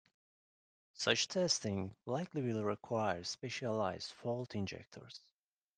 Such testing likely will require specialized fault injectors.